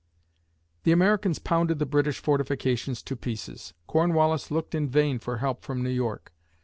The Americans pounded the British fortifications to pieces. Cornwallis looked in vain for help from New York.